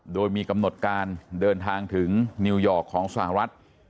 โดยมีกำหนดการเดินทางถึงนิวยอร์กของสหรัฐ